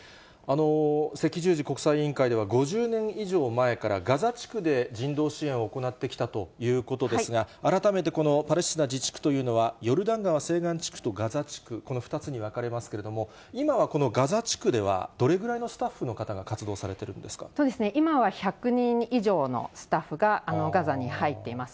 赤十字国際委員会では、５０年以上前からガザ地区で人道支援を行ってきたということですが、改めてこのパレスチナ自治区というのは、ヨルダン川西岸地区とガザ地区、この２つに分かれますけれども、今はこのガザ地区ではどれぐらいのスタッフの方が活動されてるん今は１００人以上のスタッフが、ガザに入っています。